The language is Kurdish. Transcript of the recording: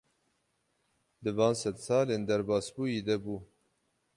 Di van sedsalên derbasbûyî de bû.